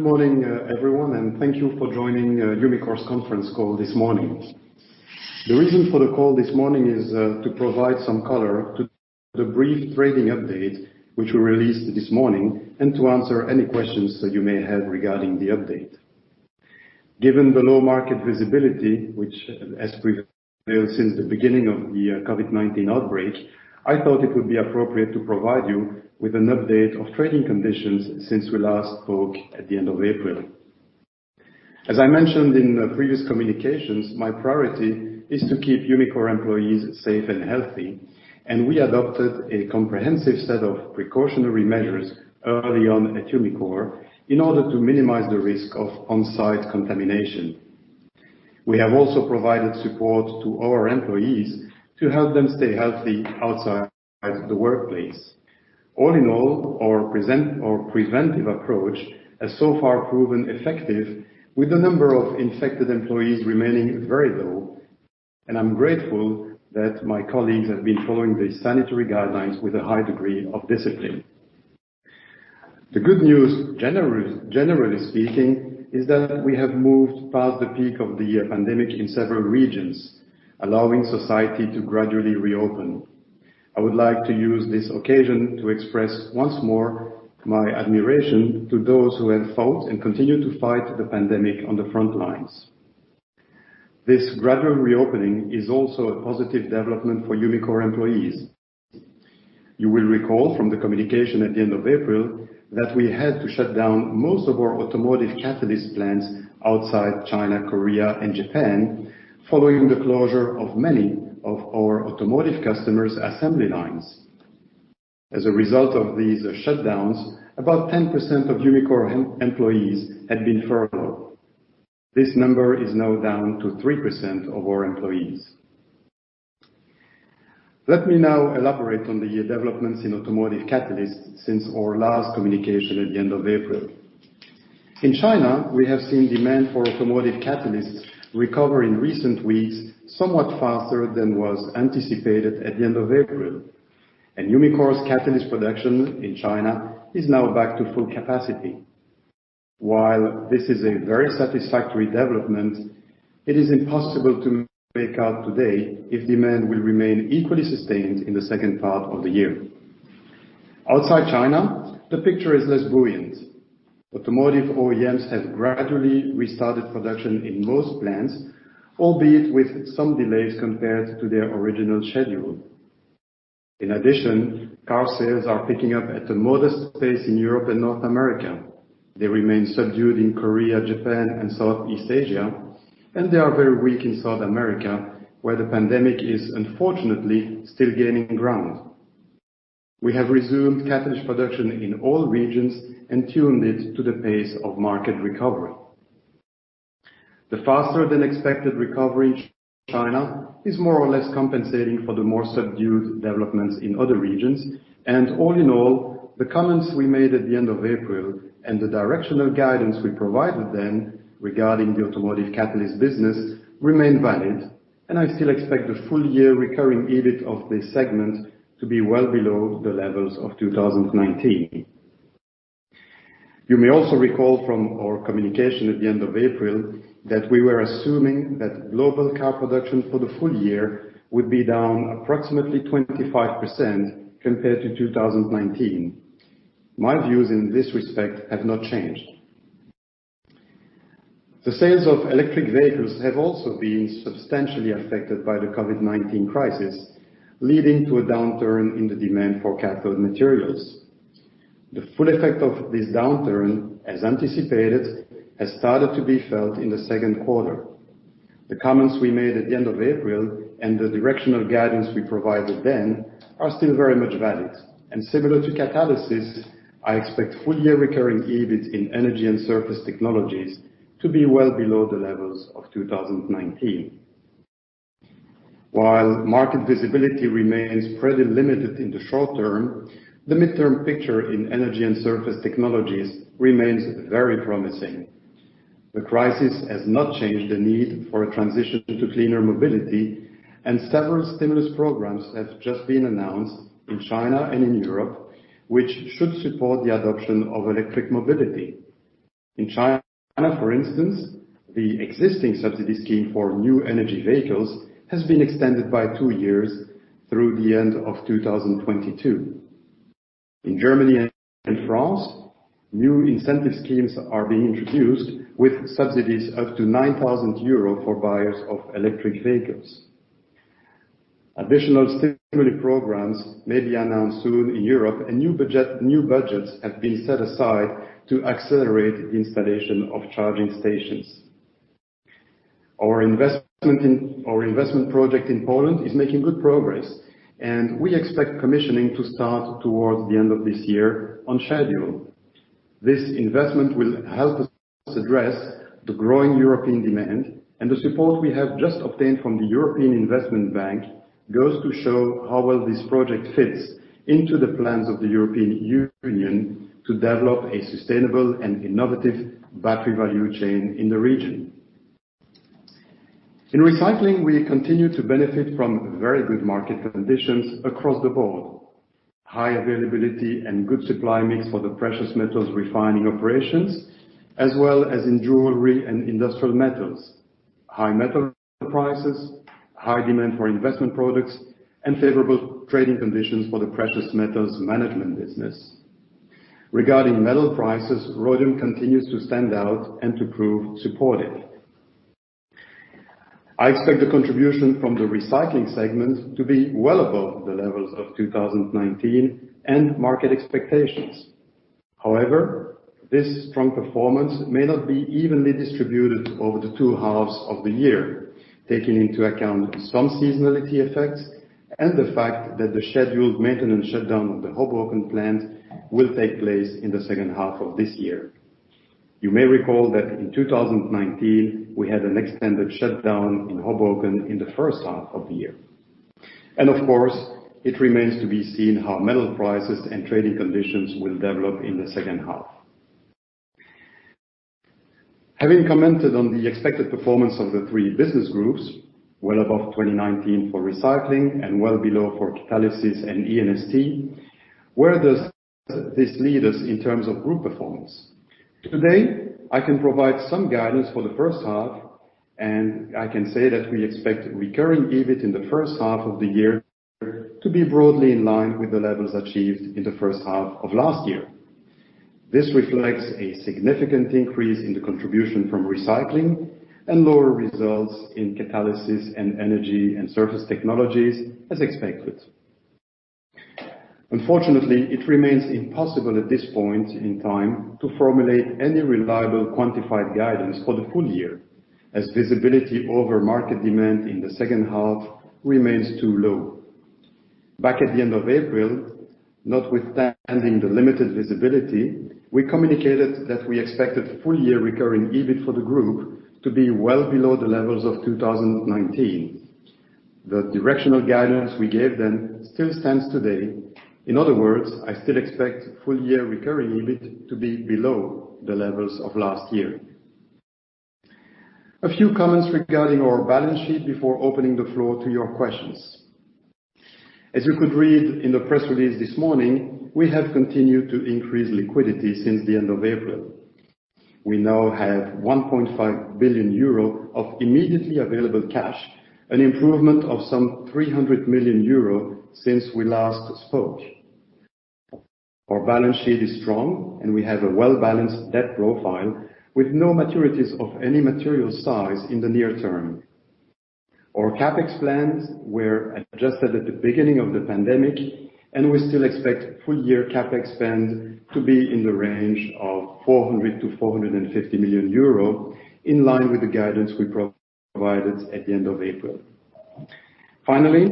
Good morning, everyone, and thank you for joining Umicore's conference call this morning. The reason for the call this morning is to provide some color to the brief trading update, which we released this morning, and to answer any questions that you may have regarding the update. Given the low market visibility, which has prevailed since the beginning of the COVID-19 outbreak, I thought it would be appropriate to provide you with an update of trading conditions since we last spoke at the end of April. As I mentioned in previous communications, my priority is to keep Umicore employees safe and healthy, and we adopted a comprehensive set of precautionary measures early on at Umicore in order to minimize the risk of on-site contamination. We have also provided support to our employees to help them stay healthy outside the workplace. All in all, our preventive approach has so far proven effective, with the number of infected employees remaining very low, and I'm grateful that my colleagues have been following the sanitary guidelines with a high degree of discipline. The good news, generally speaking, is that we have moved past the peak of the pandemic in several regions, allowing society to gradually reopen. I would like to use this occasion to express, once more, my admiration to those who have fought and continue to fight the pandemic on the front lines. This gradual reopening is also a positive development for Umicore employees. You will recall from the communication at the end of April that we had to shut down most of our automotive catalyst plants outside China, Korea, and Japan, following the closure of many of our automotive customers' assembly lines. As a result of these shutdowns, about 10% of Umicore employees had been furloughed. This number is now down to 3% of our employees. Let me now elaborate on the developments in automotive catalysts since our last communication at the end of April. In China, we have seen demand for automotive catalysts recover in recent weeks somewhat faster than was anticipated at the end of April, and Umicore's catalyst production in China is now back to full capacity. While this is a very satisfactory development, it is impossible to make out today if demand will remain equally sustained in the second part of the year. Outside China, the picture is less buoyant. Automotive OEMs have gradually restarted production in most plants, albeit with some delays compared to their original schedule. In addition, car sales are picking up at a modest pace in Europe and North America. They remain subdued in Korea, Japan, and Southeast Asia, and they are very weak in South America, where the pandemic is unfortunately still gaining ground. We have resumed catalyst production in all regions and tuned it to the pace of market recovery. The faster than expected recovery in China is more or less compensating for the more subdued developments in other regions. All in all, the comments we made at the end of April and the directional guidance we provided then regarding the automotive catalyst business remain valid, and I still expect the full year recurring EBIT of this segment to be well below the levels of 2019. You may also recall from our communication at the end of April that we were assuming that global car production for the full year would be down approximately 25% compared to 2019. My views in this respect have not changed. The sales of electric vehicles have also been substantially affected by the COVID-19 crisis, leading to a downturn in the demand for cathode materials. The full effect of this downturn, as anticipated, has started to be felt in the second quarter. The comments we made at the end of April and the directional guidance we provided then are still very much valid. Similar to Catalysis, I expect full year recurring EBIT in Energy & Surface Technologies to be well below the levels of 2019. While market visibility remains pretty limited in the short term, the midterm picture in Energy & Surface Technologies remains very promising. The crisis has not changed the need for a transition to cleaner mobility, and several stimulus programs have just been announced in China and in Europe, which should support the adoption of electric mobility. In China, for instance, the existing subsidy scheme for new energy vehicles has been extended by two years through the end of 2022. In Germany and France, new incentive schemes are being introduced with subsidies up to 9,000 euros for buyers of electric vehicles. Additional stimulus programs may be announced soon in Europe, and new budgets have been set aside to accelerate the installation of charging stations. Our investment project in Poland is making good progress, and we expect commissioning to start towards the end of this year on schedule. This investment will help us address the growing European demand. The support we have just obtained from the European Investment Bank goes to show how well this project fits into the plans of the European Union to develop a sustainable and innovative battery value chain in the region. In Recycling, we continue to benefit from very good market conditions across the board. High availability and good supply mix for the precious metals refining operations, as well as in jewelry and industrial metals. High metal prices, high demand for investment products, and favorable trading conditions for the precious metals management business. Regarding metal prices, rhodium continues to stand out and to prove supported. I expect the contribution from the Recycling segment to be well above the levels of 2019 and market expectations. However, this strong performance may not be evenly distributed over the two halves of the year, taking into account some seasonality effects and the fact that the scheduled maintenance shutdown of the Hoboken plant will take place in the second half of this year. You may recall that in 2019, we had an extended shutdown in Hoboken in the first half of the year. Of course, it remains to be seen how metal prices and trading conditions will develop in the second half. Having commented on the expected performance of the three business groups, well above 2019 for Recycling and well below for Catalysis and E&ST, where does this lead us in terms of group performance? Today, I can provide some guidance for the first half, and I can say that we expect recurring EBIT in the first half of the year to be broadly in line with the levels achieved in the first half of last year. This reflects a significant increase in the contribution from Recycling and lower results in Catalysis and Energy & Surface Technologies, as expected. Unfortunately, it remains impossible at this point in time to formulate any reliable quantified guidance for the full year, as visibility over market demand in the second half remains too low. Back at the end of April, notwithstanding the limited visibility, we communicated that we expected full year recurring EBIT for the group to be well below the levels of 2019. The directional guidance we gave then still stands today. In other words, I still expect full year recurring EBIT to be below the levels of last year. A few comments regarding our balance sheet before opening the floor to your questions. As you could read in the press release this morning, we have continued to increase liquidity since the end of April. We now have 1.5 billion euro of immediately available cash, an improvement of some 300 million euro since we last spoke. Our balance sheet is strong, and we have a well-balanced debt profile with no maturities of any material size in the near term. Our CapEx plans were adjusted at the beginning of the pandemic, and we still expect full year CapEx spend to be in the range of 400 million-450 million euro, in line with the guidance we provided at the end of April. Finally,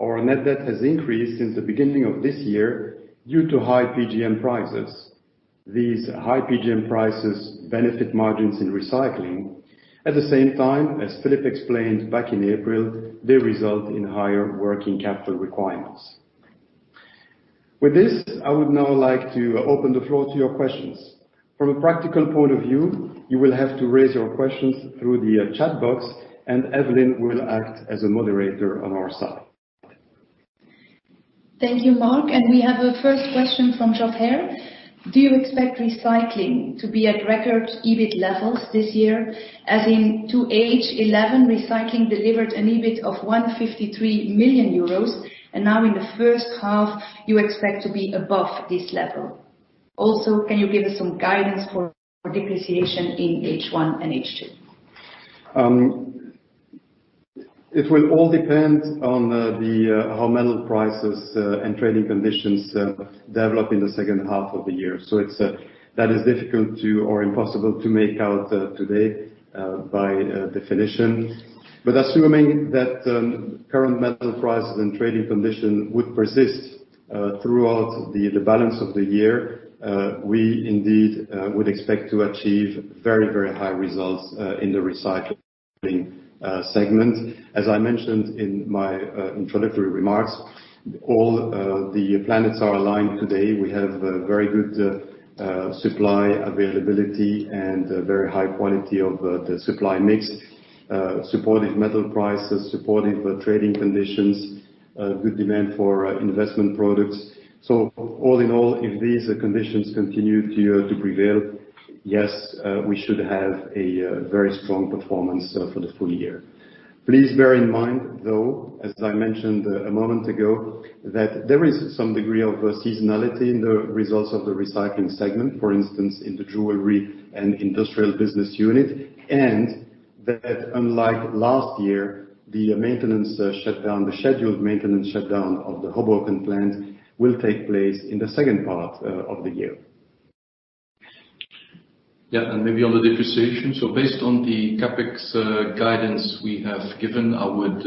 our net debt has increased since the beginning of this year due to high PGM prices. These high PGM prices benefit margins in Recycling. At the same time, as Filip explained back in April, they result in higher working capital requirements. With this, I would now like to open the floor to your questions. From a practical point of view, you will have to raise your questions through the chat box, and Evelyn will act as a moderator on our side. Thank you, Marc. We have a first question from Geoff Haire. Do you expect Recycling to be at record EBIT levels this year, as in to H1, Recycling delivered an EBIT of 153 million euros, now in the first half, you expect to be above this level. Also, can you give us some guidance for depreciation in H1 and H2? It will all depend on how metal prices and trading conditions develop in the second half of the year. That is difficult to, or impossible to make out today, by definition. Assuming that current metal prices and trading condition would persist throughout the balance of the year, we indeed would expect to achieve very high results in the Recycling segment. As I mentioned in my introductory remarks, all the planets are aligned today. We have very good supply availability and very high quality of the supply mix, supportive metal prices, supportive trading conditions, good demand for investment products. All in all, if these conditions continue to prevail, yes, we should have a very strong performance for the full year. Please bear in mind, though, as I mentioned a moment ago, that there is some degree of seasonality in the results of the Recycling segment. For instance, in the jewelry and industrial business unit, and that unlike last year, the scheduled maintenance shutdown of the Hoboken plant will take place in the second part of the year. Yeah. Maybe on the depreciation. Based on the CapEx guidance we have given, I would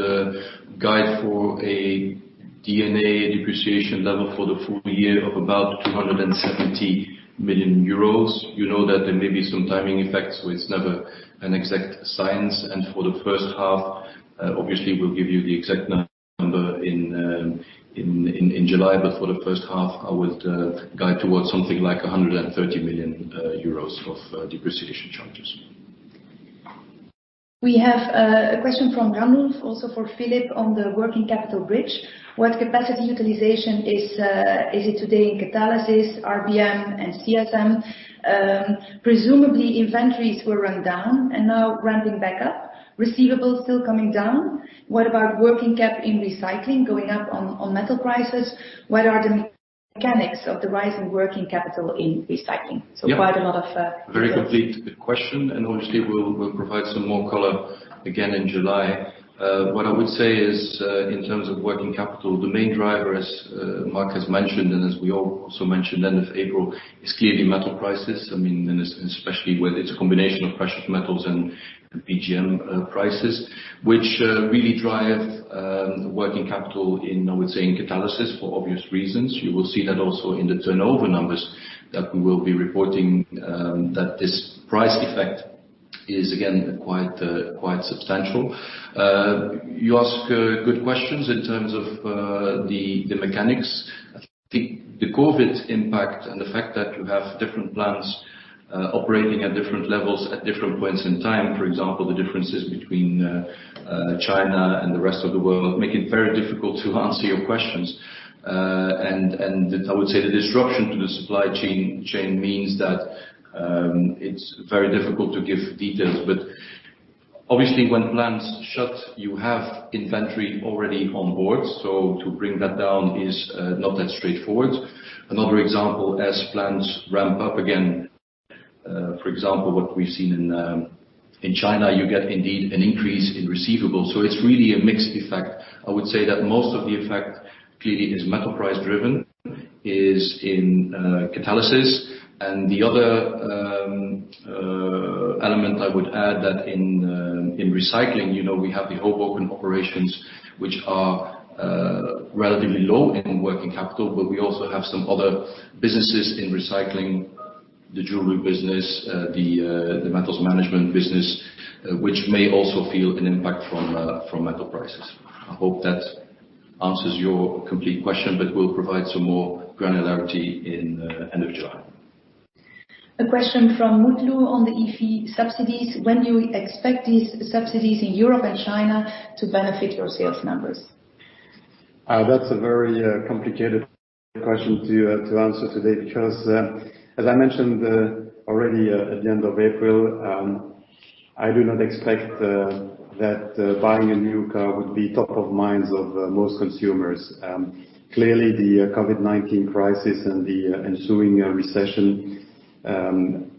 guide for a D&A depreciation level for the full year of about 270 million euros. You know that there may be some timing effects, so it's never an exact science. For the first half, obviously we'll give you the exact number in July, but for the first half, I would guide towards something like 130 million euros of depreciation charges. We have a question from Ranulf, also for Filip, on the working capital bridge. What capacity utilization is it today in Catalysis, RBM, and CSM? Presumably inventories were run down and now ramping back up, receivables still coming down. What about working cap in Recycling going up on metal prices? What are the mechanics of the rise in working capital in Recycling? Very complete question, and obviously we'll provide some more color again in July. What I would say is, in terms of working capital, the main driver, as Marc has mentioned, and as we also mentioned end of April, is clearly metal prices. Especially with its combination of precious metals and PGM prices, which really drive working capital in, I would say, in Catalysis for obvious reasons. You will see that also in the turnover numbers that we will be reporting, that this price effect is again quite substantial. You ask good questions in terms of the mechanics. I think the COVID impact and the fact that you have different plants operating at different levels at different points in time, for example, the differences between China and the rest of the world, make it very difficult to answer your questions. I would say the disruption to the supply chain means that it's very difficult to give details. Obviously when plants shut, you have inventory already on board, so to bring that down is not that straightforward. Another example, as plants ramp up again, for example, what we've seen in China, you get indeed an increase in receivables. It's really a mixed effect. I would say that most of the effect clearly is metal price driven, is in Catalysis. The other element I would add that in Recycling, we have the Hoboken operations, which are relatively low in working capital, but we also have some other businesses in Recycling, the jewelry business, the metals management business, which may also feel an impact from metal prices. I hope that answers your complete question, but we'll provide some more granularity in end of July. A question from Mutlu on the EV subsidies. When do you expect these subsidies in Europe and China to benefit your sales numbers? That's a very complicated question to answer today because, as I mentioned already at the end of April, I do not expect that buying a new car would be top of minds of most consumers. Clearly, the COVID-19 crisis and the ensuing recession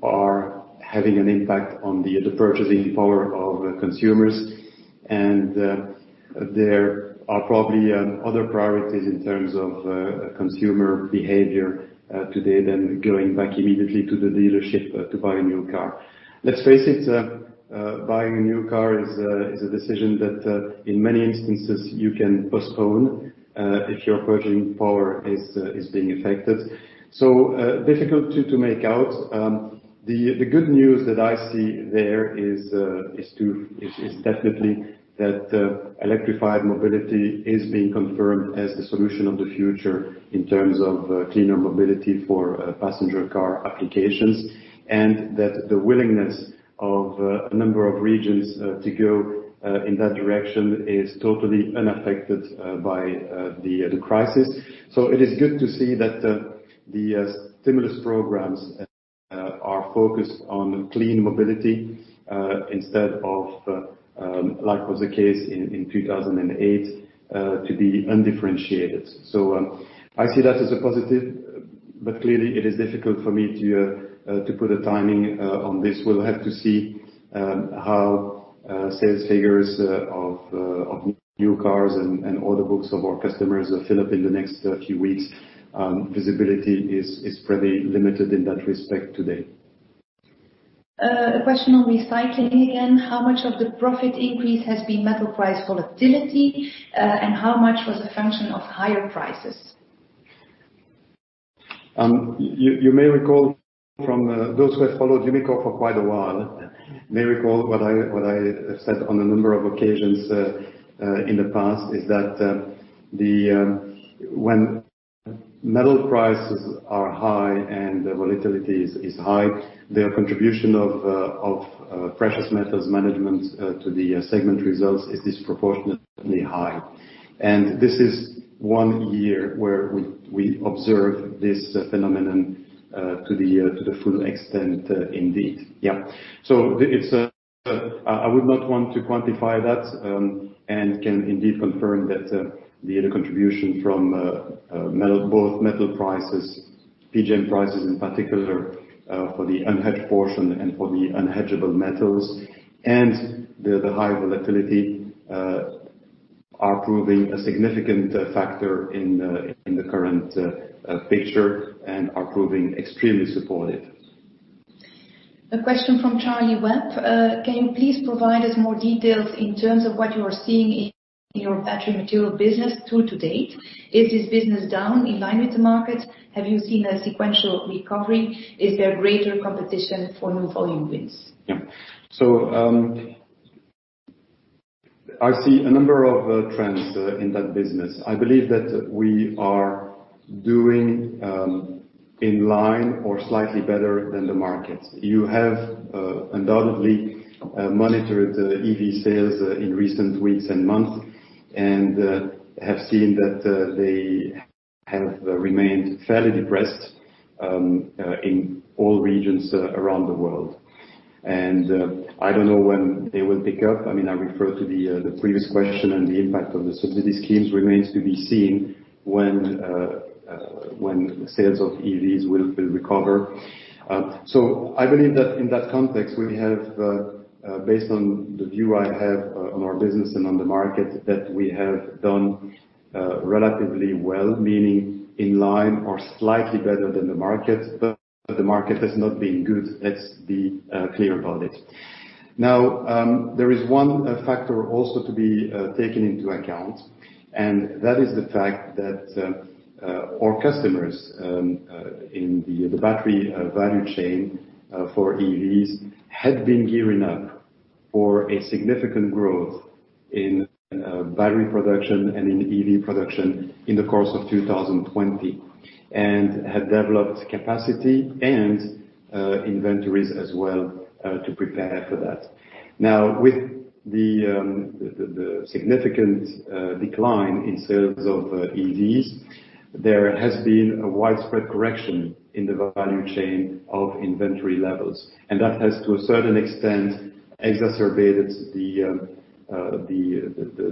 are having an impact on the purchasing power of consumers, and there are probably other priorities in terms of consumer behavior today than going back immediately to the dealership to buy a new car. Let's face it, buying a new car is a decision that, in many instances, you can postpone if your purchasing power is being affected. Difficult to make out. The good news that I see there is definitely that electrified mobility is being confirmed as the solution of the future in terms of cleaner mobility for passenger car applications. That the willingness of a number of regions to go in that direction is totally unaffected by the crisis. It is good to see that the stimulus programs are focused on clean mobility instead of, like was the case in 2008, to be undifferentiated. I see that as a positive. Clearly it is difficult for me to put a timing on this. We'll have to see how sales figures of new cars and order books of our customers fill up in the next few weeks. Visibility is pretty limited in that respect today. A question on Recycling again. How much of the profit increase has been metal price volatility, and how much was the function of higher prices? You may recall from those who have followed Umicore for quite a while, may recall what I have said on a number of occasions in the past, is that when metal prices are high and the volatility is high, their contribution of precious metals management to the segment results is disproportionately high. This is one year where we observe this phenomenon to the full extent indeed. Yeah. I would not want to quantify that and can indeed confirm that the contribution from both metal prices, PGM prices in particular, for the unhedged portion and for the unhedgeable metals and the high volatility are proving a significant factor in the current picture and are proving extremely supportive. A question from Charlie Webb. Can you please provide us more details in terms of what you are seeing in your battery material business through to date? Is this business down in line with the market? Have you seen a sequential recovery? Is there greater competition for new volume wins? I see a number of trends in that business. I believe that we are doing in line or slightly better than the market. You have undoubtedly monitored EV sales in recent weeks and months and have seen that they have remained fairly depressed in all regions around the world. I don't know when they will pick up. I refer to the previous question, and the impact on the subsidy schemes remains to be seen when sales of EVs will recover. I believe that in that context, based on the view I have on our business and on the market, that we have done relatively well, meaning in line or slightly better than the market. The market has not been good. Let's be clear about it. There is one factor also to be taken into account, and that is the fact that our customers in the battery value chain for EVs had been gearing up for a significant growth in battery production and in EV production in the course of 2020, and had developed capacity and inventories as well to prepare for that. With the significant decline in sales of EVs, there has been a widespread correction in the value chain of inventory levels, and that has, to a certain extent, exacerbated the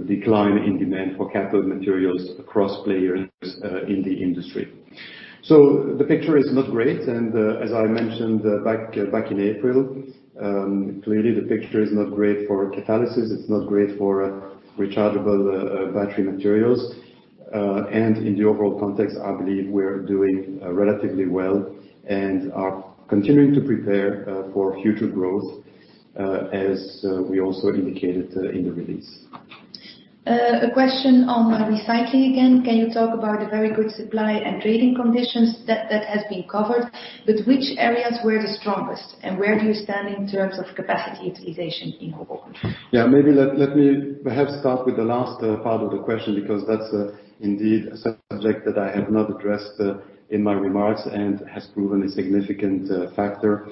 decline in demand for cathode materials across players in the industry. The picture is not great, and as I mentioned back in April, clearly the picture is not great for Catalysis, it's not great for rechargeable battery materials. In the overall context, I believe we're doing relatively well and are continuing to prepare for future growth, as we also indicated in the release. A question on recycling again. Can you talk about the very good supply and trading conditions? Which areas were the strongest, and where do you stand in terms of capacity utilization in Hoboken? Maybe let me perhaps start with the last part of the question, because that's indeed a subject that I have not addressed in my remarks and has proven a significant factor.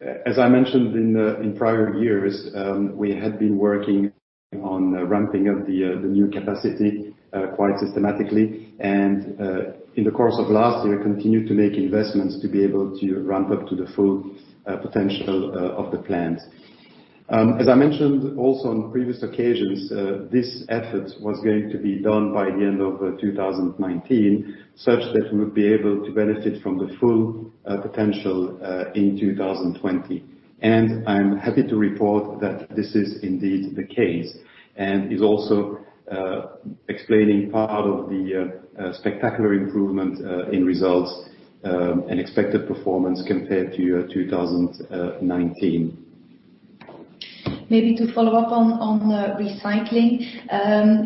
As I mentioned, in prior years, we had been working on ramping up the new capacity quite systematically. In the course of last year, continued to make investments to be able to ramp up to the full potential of the plant. As I mentioned also on previous occasions, this effort was going to be done by the end of 2019, such that we would be able to benefit from the full potential in 2020. I'm happy to report that this is indeed the case and is also explaining part of the spectacular improvement in results and expected performance compared to 2019. Maybe to follow up on recycling.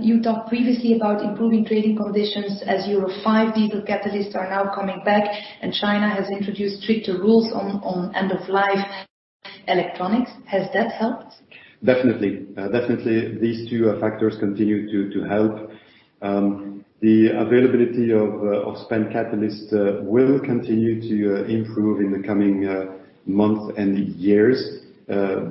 You talked previously about improving trading conditions as Euro V diesel catalysts are now coming back, and China has introduced stricter rules on end-of-life electronics. Has that helped? Definitely. These two factors continue to help. The availability of spent catalyst will continue to improve in the coming months and years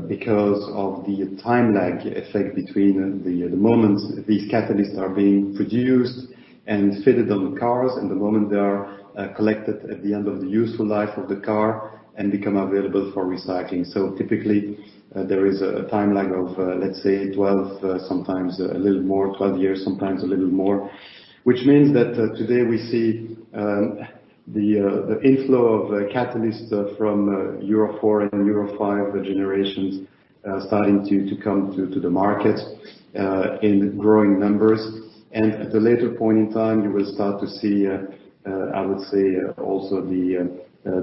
because of the time lag effect between the moment these catalysts are being produced and fitted on cars, and the moment they are collected at the end of the useful life of the car and become available for recycling. Typically, there is a time lag of, let's say, 12 years, sometimes a little more, which means that today we see the inflow of catalysts from Euro IV and Euro V generations starting to come to the market in growing numbers. At a later point in time, you will start to see, I would say, also the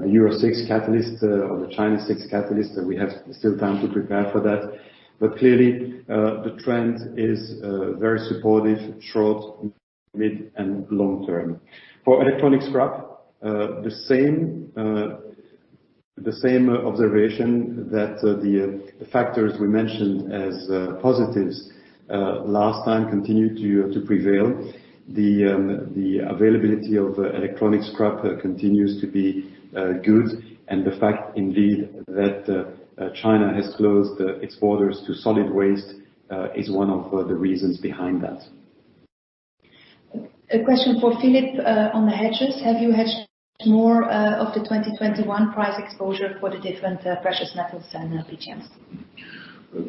Euro VI catalyst or the China VI catalyst, and we have still time to prepare for that. Clearly, the trend is very supportive, short, mid, and long term. For electronic scrap, the same observation that the factors we mentioned as positives last time continue to prevail. The availability of electronic scrap continues to be good, and the fact indeed that China has closed its borders to solid waste is one of the reasons behind that. A question for Filip on the hedges. Have you hedged more of the 2021 price exposure for the different precious metals than PGMs?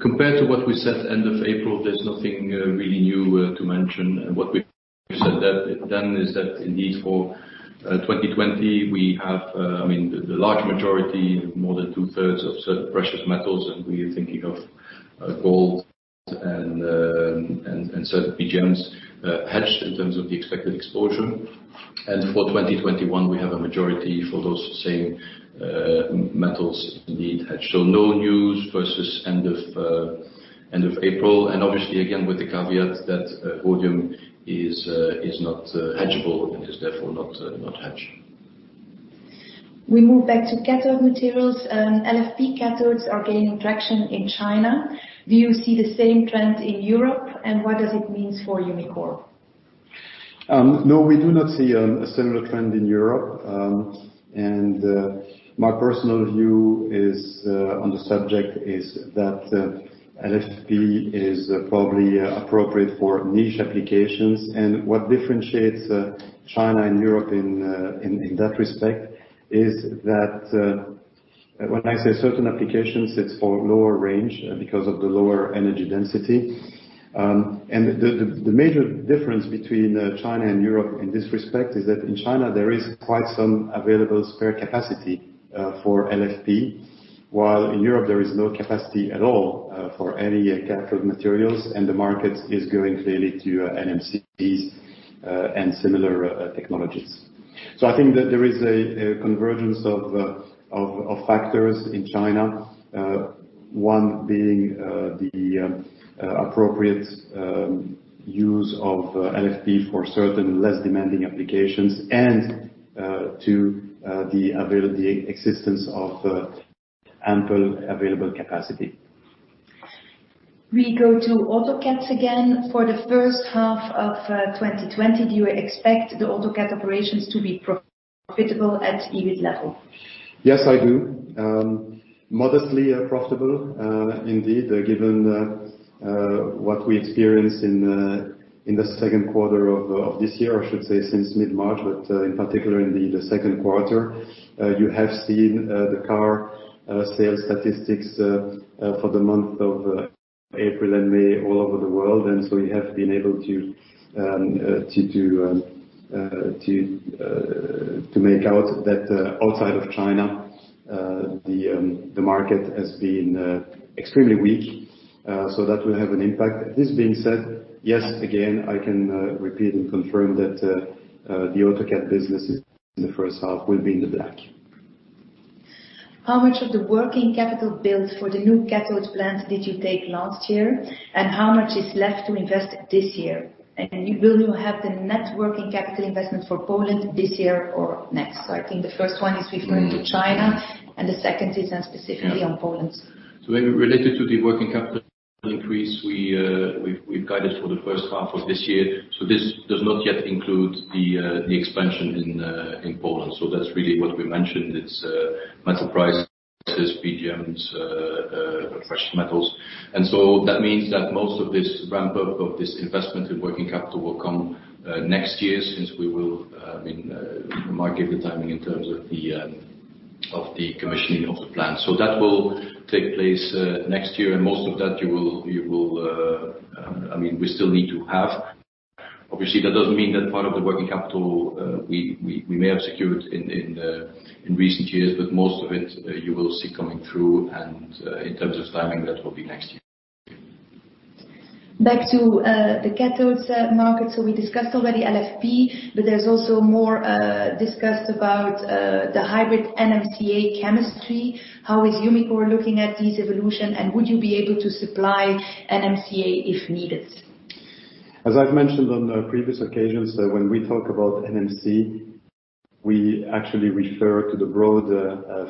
Compared to what we said end of April, there's nothing really new to mention. What we said then is that indeed for 2020, we have the large majority, more than two-thirds of certain precious metals, and we are thinking of gold and certain PGMs hedged in terms of the expected exposure. For 2021, we have a majority for those same metals indeed hedged. No news versus end of April, and obviously again, with the caveat that rhodium is not hedgeable and is therefore not hedged. We move back to cathode materials. LFP cathodes are gaining traction in China. Do you see the same trend in Europe? What does it mean for Umicore? No, we do not see a similar trend in Europe. My personal view on the subject is that LFP is probably appropriate for niche applications. What differentiates China and Europe in that respect is that when I say certain applications, it's for lower range because of the lower energy density. The major difference between China and Europe in this respect is that in China, there is quite some available spare capacity for LFP, while in Europe there is no capacity at all for any cathode materials, and the market is going clearly to NMC and similar technologies. I think that there is a convergence of factors in China. One being the appropriate use of LFP for certain less demanding applications and two, the existence of ample available capacity. We go to Autocats again. For the first half of 2020, do you expect the Autocat operations to be profitable at EBIT level? Yes, I do. Modestly profitable, indeed, given what we experienced in the second quarter of this year, I should say since mid-March, but in particular in the second quarter. You have seen the car sales statistics for the months of April and May all over the world, and so you have been able to make out that outside of China, the market has been extremely weak. That will have an impact. This being said, yes, again, I can repeat and confirm that the Autocat business in the first half will be in the black. How much of the working capital build for the new cathode plant did you take last year, and how much is left to invest this year? Will you have the net working capital investment for Poland this year or next? I think the first one is referring to China, and the second is then specifically on Poland. Related to the working capital increase, we've guided for the first half of this year. This does not yet include the expansion in Poland. That's really what we mentioned. It's metal prices, PGMs, fresh metals. That means that most of this ramp-up of this investment in working capital will come next year since we will market the timing in terms of the commissioning of the plant. That will take place next year, and most of that, we still need to have. Obviously, that doesn't mean that part of the working capital we may have secured in recent years, but most of it you will see coming through, and in terms of timing, that will be next year. Back to the cathodes market. We discussed already LFP, there's also more discuss about the hybrid NMCA chemistry. How is Umicore looking at this evolution, and would you be able to supply NMCA if needed? As I've mentioned on previous occasions, when we talk about NMC, we actually refer to the broad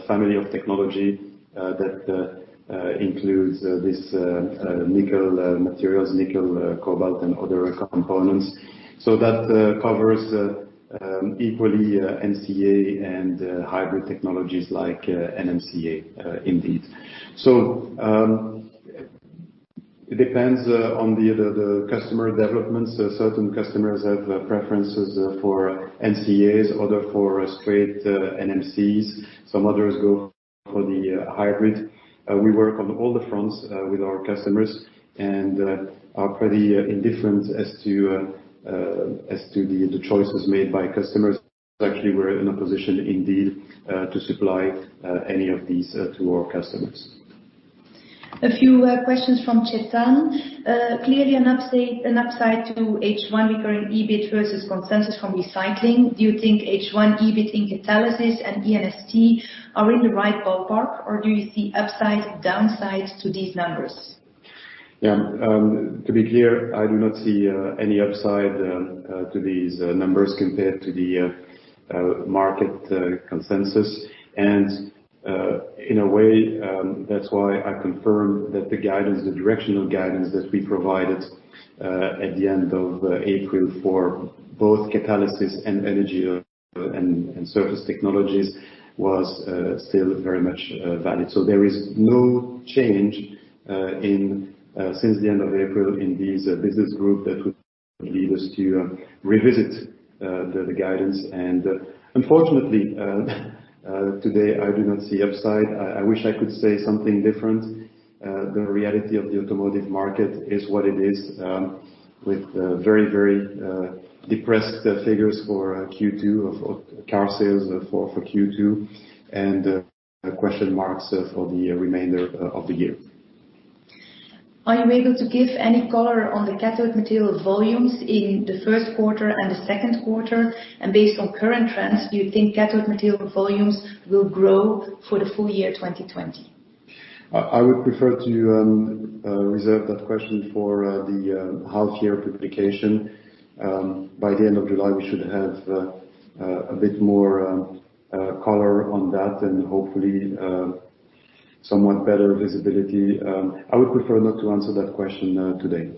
family of technology that includes these nickel materials, nickel, cobalt, and other components. That covers equally NCA and hybrid technologies like NMCA, indeed. It depends on the other customer developments. Certain customers have preferences for NCAs, others for straight NMCs. Some others go for the hybrid. We work on all the fronts with our customers and are pretty indifferent as to the choices made by customers. Actually, we're in a position indeed to supply any of these to our customers. A few questions from Chetan. Clearly an upside to H1 recurring EBIT versus consensus from recycling. Do you think H1 EBIT in Catalysis and E&ST are in the right ballpark, or do you see upside, downside to these numbers? Yeah. To be clear, I do not see any upside to these numbers compared to the market consensus. In a way, that's why I confirm that the guidance, the directional guidance that we provided at the end of April for both Catalysis and Energy & Surface Technologies was still very much valid. There is no change since the end of April in these business groups that would lead us to revisit the guidance. Unfortunately, today I do not see upside. I wish I could say something different. The reality of the automotive market is what it is with very, very depressed figures for Q2 of car sales for Q2 and question marks for the remainder of the year. Are you able to give any color on the cathode material volumes in the first quarter and the second quarter? Based on current trends, do you think cathode material volumes will grow for the full year 2020? I would prefer to reserve that question for the half year publication. By the end of July, we should have a bit more color on that and hopefully somewhat better visibility. I would prefer not to answer that question today.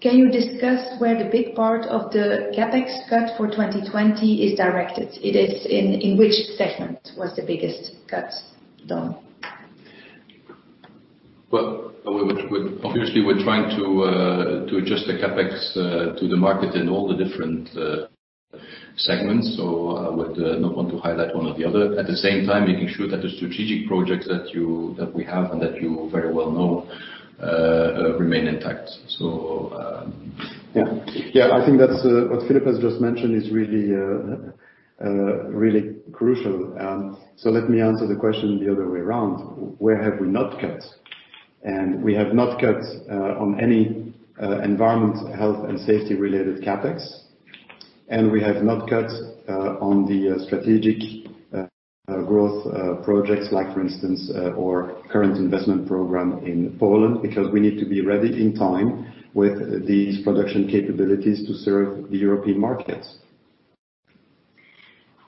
Can you discuss where the big part of the CapEx cut for 2020 is directed? In which segment was the biggest cuts done? Well, obviously, we're trying to adjust the CapEx to the market in all the different segments. I would not want to highlight one or the other. At the same time, making sure that the strategic projects that we have and that you very well know, remain intact. Yeah. I think that what Filip has just mentioned is really crucial. Let me answer the question the other way around. Where have we not cut? We have not cut on any environment, health, and safety related CapEx, and we have not cut on the strategic growth projects like for instance, our current investment program in Poland, because we need to be ready in time with these production capabilities to serve the European markets.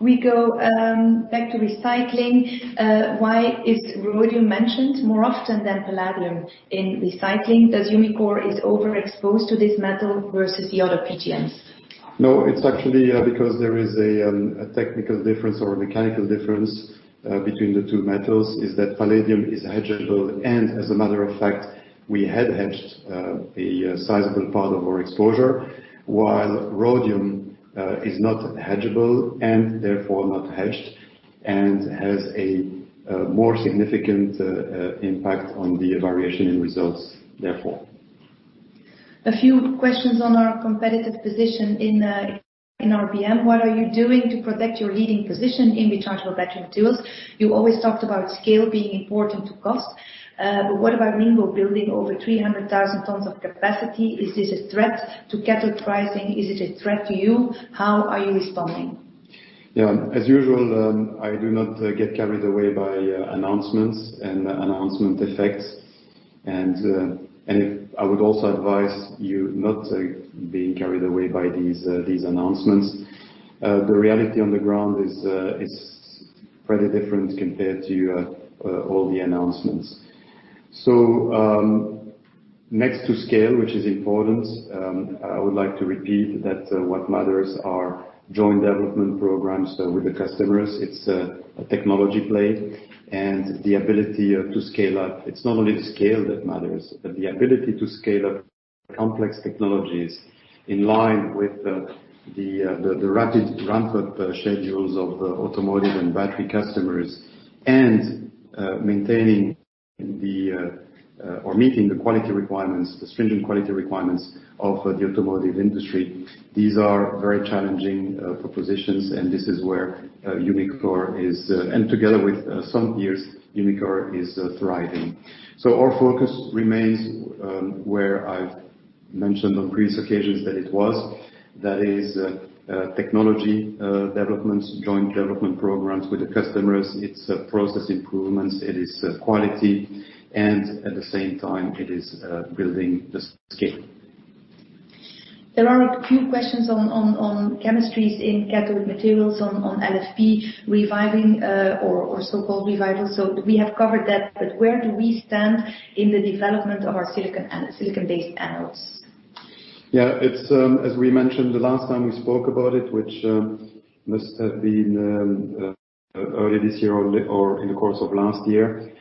We go back to recycling. Why is rhodium mentioned more often than palladium in recycling? Does Umicore is overexposed to this metal versus the other PGMs? It's actually because there is a technical difference or a mechanical difference between the two metals, is that palladium is hedgeable, and as a matter of fact, we had hedged a sizable part of our exposure, while rhodium is not hedgeable and therefore not hedged and has a more significant impact on the variation in results, therefore. A few questions on our competitive position in RBM. What are you doing to protect your leading position in rechargeable battery materials? You always talked about scale being important to cost. What about Ningbo building over 300,000 tons of capacity? Is this a threat to cathode pricing? Is it a threat to you? How are you responding? Yeah. As usual, I do not get carried away by announcements and announcement effects. I would also advise you not being carried away by these announcements. The reality on the ground is, it's fairly different compared to all the announcements. Next to scale, which is important, I would like to repeat that what matters are joint development programs with the customers. It's a technology play and the ability to scale up. It's not only the scale that matters, but the ability to scale up complex technologies in line with the rapid ramp-up schedules of the automotive and battery customers and maintaining the, or meeting the quality requirements, the stringent quality requirements of the automotive industry. These are very challenging propositions, and this is where Umicore is, and together with some peers, Umicore is thriving. Our focus remains, where I've mentioned on previous occasions that it was, that is technology developments, joint development programs with the customers. It's process improvements, it is quality, and at the same time, it is building the scale. There are a few questions on chemistries in cathode materials on LFP reviving, or so-called revival. We have covered that, but where do we stand in the development of our silicon-based anodes? Yeah. It's, as we mentioned the last time we spoke about it, which must have been early this year or in the course of last year,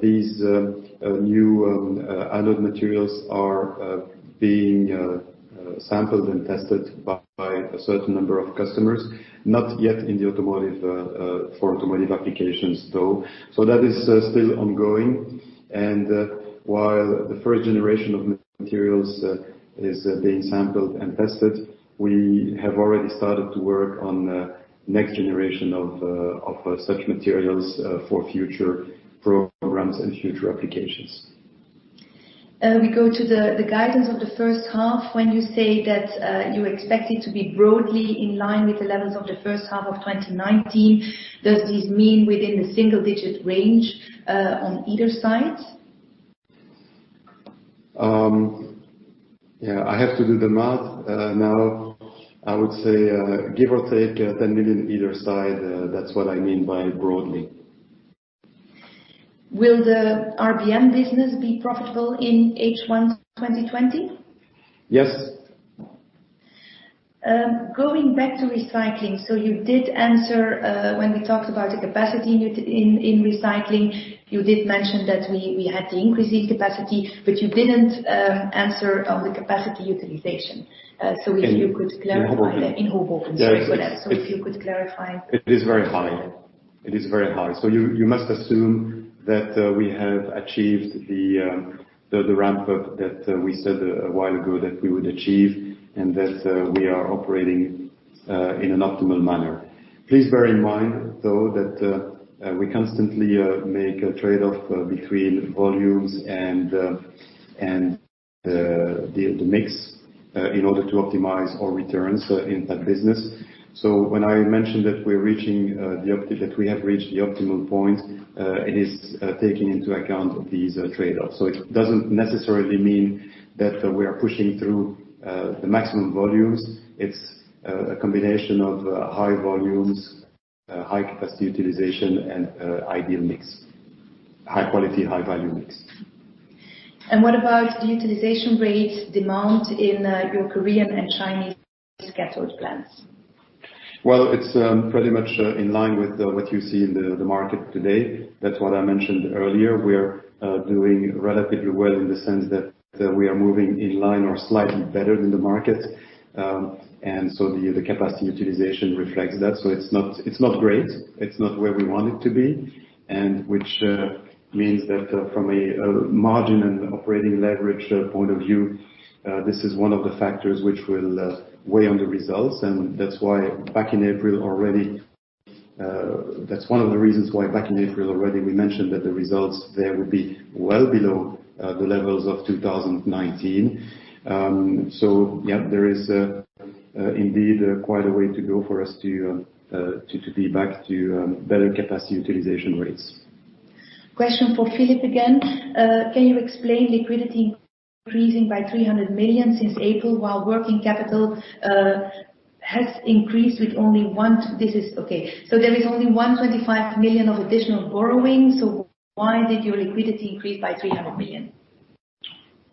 these new anode materials are being sampled and tested by a certain number of customers, not yet for automotive applications, though. That is still ongoing. While the first generation of materials is being sampled and tested, we have already started to work on the next generation of such materials, for future programs and future applications. We go to the guidance of the first half. When you say that you expect it to be broadly in line with the levels of the first half of 2019, does this mean within the single-digit range, on either side? Yeah. I have to do the math. I would say, give or take 10 million either side, that's what I mean by broadly. Will the RBM business be profitable in H1 2020? Yes. Going back to Recycling. You did answer, when we talked about the capacity in Recycling, you did mention that we had the increases capacity, but you didn't answer on the capacity utilization. If you could clarify that. In Hoboken? In Hoboken. Sorry for that. If you could clarify. It is very high. You must assume that we have achieved the ramp-up that we said a while ago that we would achieve, and that we are operating in an optimal manner. Please bear in mind, though, that we constantly make a trade-off between volumes and the mix in order to optimize our returns in that business. When I mentioned that we have reached the optimum point, it is taking into account these trade-offs. It doesn't necessarily mean that we are pushing through the maximum volumes. It's a combination of high volumes, high capacity utilization, and ideal mix, high quality, high volume mix. What about the utilization rates demand in your Korean and Chinese cathode plants? Well, it's pretty much in line with what you see in the market today. That's what I mentioned earlier. We are doing relatively well in the sense that we are moving in line or slightly better than the market. The capacity utilization reflects that. It's not great. It's not where we want it to be, and which means that from a margin and operating leverage point of view, this is one of the factors which will weigh on the results. That's one of the reasons why back in April already, we mentioned that the results there will be well below the levels of 2019. Yeah, there is indeed quite a way to go for us to be back to better capacity utilization rates. Question for Filip again. Can you explain liquidity increasing by 300 million since April, while working capital has increased with only 125 million of additional borrowing? Why did your liquidity increase by 300 million?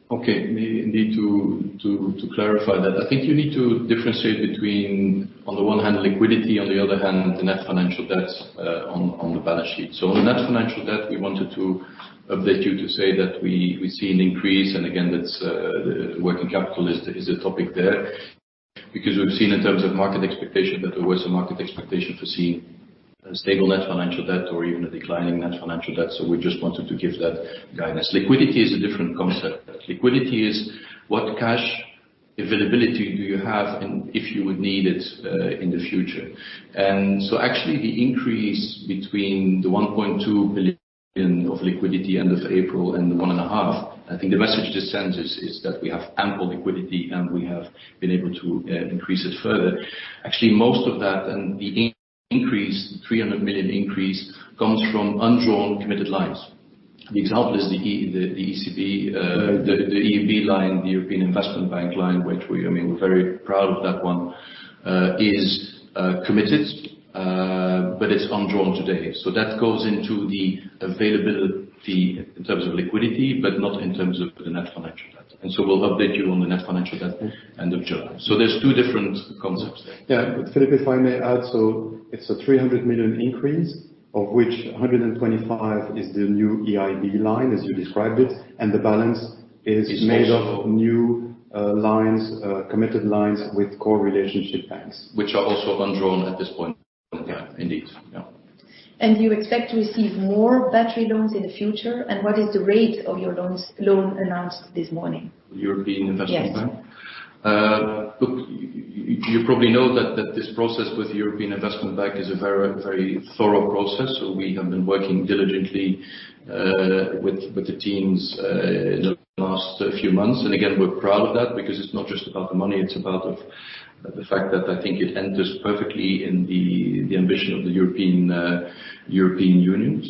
Okay. Maybe need to clarify that. I think you need to differentiate between, on the one hand, liquidity, on the other hand, the net financial debts on the balance sheet. On the net financial debt, we wanted to update you to say that we see an increase, and again, working capital is a topic there. We've seen in terms of market expectation, that there was a market expectation for seeing a stable net financial debt or even a declining net financial debt. We just wanted to give that guidance. Liquidity is a different concept. Liquidity is what cash availability do you have, and if you would need it in the future. Actually the increase between the 1.2 billion of liquidity end of April and the 1.5 billion, I think the message this sends is that we have ample liquidity and we have been able to increase it further. Actually, most of that and the increase, 300 million increase comes from undrawn committed lines. The example is the EIB line, the European Investment Bank line, which we're very proud of that one, is committed, but it's undrawn today. That goes into the availability in terms of liquidity, but not in terms of the net financial debt. We'll update you on the net financial debt end of July. There's two different concepts there. Filip, if I may add. It's a 300 million increase, of which 125 is the new EIB line, as you described it, and the balance is made of new lines, committed lines with core relationship banks. Which are also undrawn at this point. Yeah, indeed. Yeah. Do you expect to receive more battery loans in the future? What is the rate of your loan announced this morning? European Investment Bank? Yes. Look, you probably know that this process with European Investment Bank is a very thorough process. We have been working diligently with the teams in the last few months. Again, we're proud of that because it's not just about the money, it's about the fact that I think it enters perfectly in the ambition of the European Union.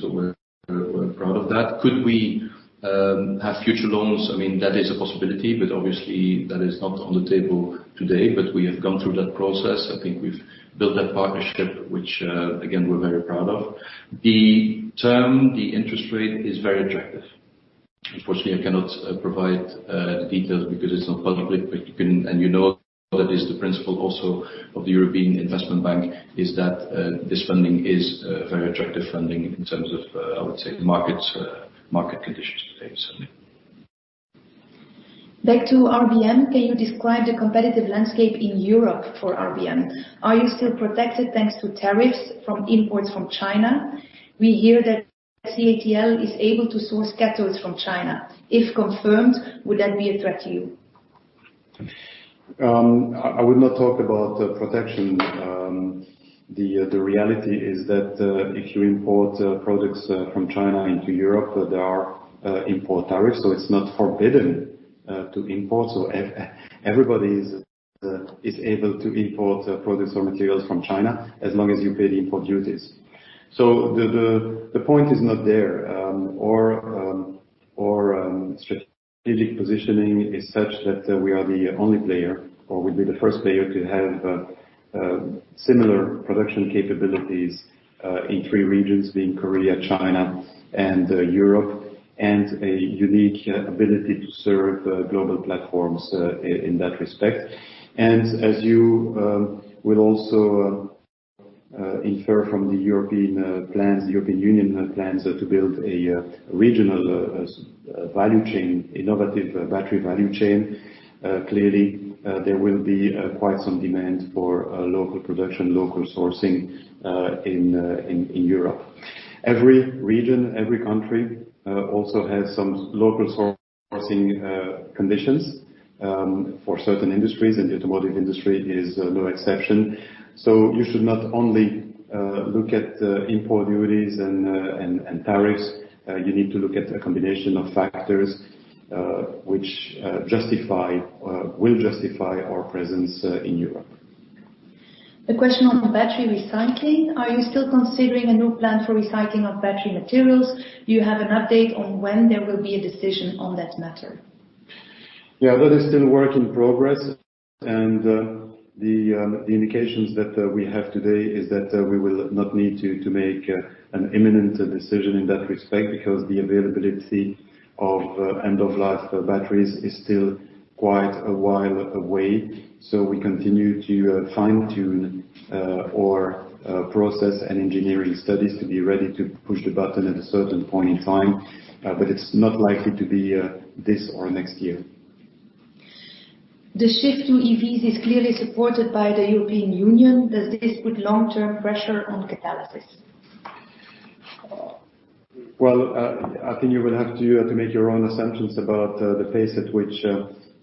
We're proud of that. Could we have future loans? That is a possibility, but obviously, that is not on the table today. We have gone through that process. I think we've built that partnership, which again, we're very proud of. The term, the interest rate is very attractive. Unfortunately, I cannot provide the details because it's not public, and you know that is the principle also of the European Investment Bank, is that this funding is very attractive funding in terms of, I would say, market conditions today, certainly. Back to RBM. Can you describe the competitive landscape in Europe for RBM? Are you still protected thanks to tariffs from imports from China? We hear that CATL is able to source cathodes from China. If confirmed, would that be a threat to you? I would not talk about protection. The reality is that if you import products from China into Europe, there are import tariffs, so it's not forbidden to import. Everybody is able to import products or materials from China, as long as you pay the import duties. The point is not there. Our strategic positioning is such that we are the only player, or we'll be the first player to have similar production capabilities, in three regions, being Korea, China, and Europe, and a unique ability to serve global platforms, in that respect. As you will also infer from the European plans, the European Union plans to build a regional value chain, innovative battery value chain. Clearly, there will be quite some demand for local production, local sourcing, in Europe. Every region, every country also has some local sourcing conditions for certain industries, and the automotive industry is no exception. You should not only look at import duties and tariffs. You need to look at a combination of factors which will justify our presence in Europe. The question on battery recycling, are you still considering a new plan for recycling of battery materials? Do you have an update on when there will be a decision on that matter? Yeah. That is still a work in progress. The indications that we have today is that we will not need to make an imminent decision in that respect because the availability of end-of-life batteries is still quite a while away. We continue to fine-tune our process and engineering studies to be ready to push the button at a certain point in time. It's not likely to be this or next year. The shift to EVs is clearly supported by the European Union. Does this put long-term pressure on Catalysis? Well, I think you will have to make your own assumptions about the pace at which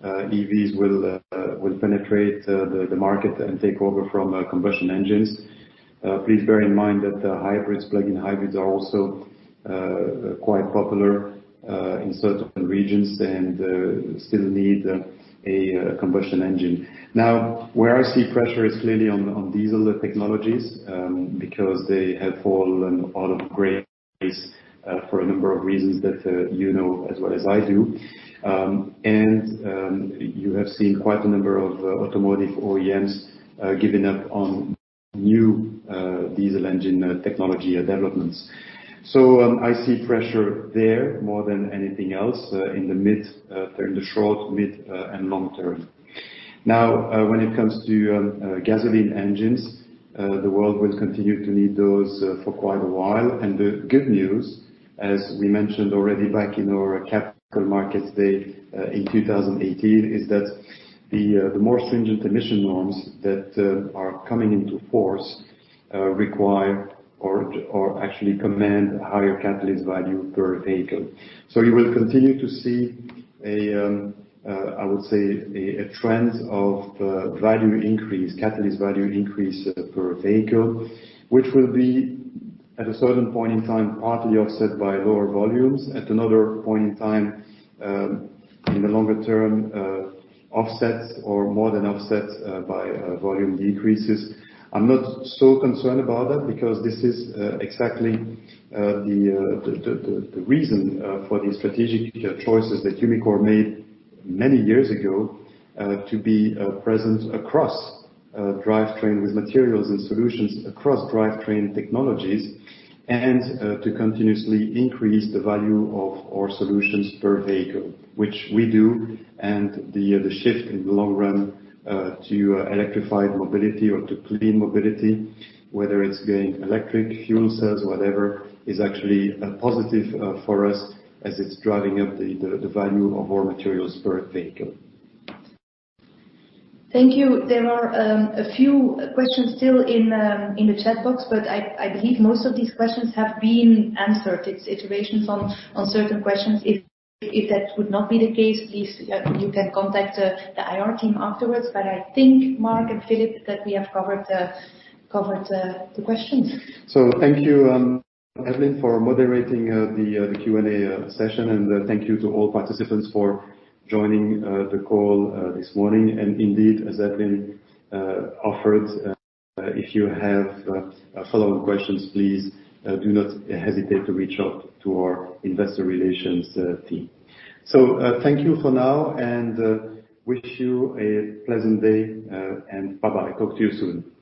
EVs will penetrate the market and take over from combustion engines. Please bear in mind that hybrids, plug-in hybrids, are also quite popular in certain regions and still need a combustion engine. Where I see pressure is clearly on diesel technologies, because they have fallen out of grace for a number of reasons that you know as well as I do. You have seen quite a number of automotive OEMs giving up on new diesel engine technology developments. I see pressure there more than anything else in the short, mid, and long term. When it comes to gasoline engines, the world will continue to need those for quite a while. The good news, as we mentioned already back in our capital markets day in 2018, is that the more stringent emission norms that are coming into force require or actually command a higher catalyst value per vehicle. You will continue to see, I would say, a trend of value increase, catalyst value increase per vehicle, which will be, at a certain point in time, partly offset by lower volumes. At another point in time, in the longer term, offset or more than offset by volume decreases. I'm not so concerned about that because this is exactly the reason for the strategic choices that Umicore made many years ago, to be present across drivetrain with materials and solutions, across drivetrain technologies, and to continuously increase the value of our solutions per vehicle, which we do. The shift in the long run to electrified mobility or to clean mobility, whether it's going electric, fuel cells, whatever, is actually a positive for us as it's driving up the value of our materials per vehicle. Thank you. There are a few questions still in the chat box, but I believe most of these questions have been answered. It's iterations on certain questions. If that would not be the case, please you can contact the IR team afterwards, but I think, Marc and Philip, that we have covered the questions. Thank you, Evelyn, for moderating the Q&A session, and thank you to all participants for joining the call this morning. Indeed, as Evelyn offered, if you have follow-up questions, please do not hesitate to reach out to our investor relations team. Thank you for now, and wish you a pleasant day. Bye-bye. Talk to you soon.